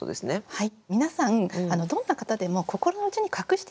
はい。